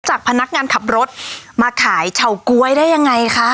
พนักงานขับรถมาขายเฉาก๊วยได้ยังไงคะ